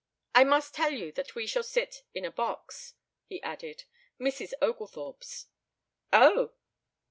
"I must tell you that we shall sit in a box," he added. "Mrs. Oglethorpe's." "Oh!"